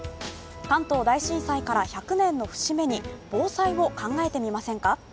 関東大震災から１００年の節目に防災を考えてみませんか？